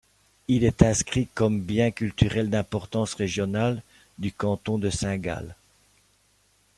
Il est inscrit comme bien culturel d'importance régionale du canton de Saint-Gall.